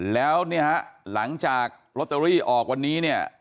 แล้วเนี่ยฮะหลังจากลอตเตอรี่ออกวันนี้เนี่ย